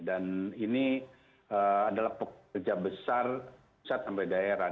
dan ini adalah pekerja besar besar sampai daerah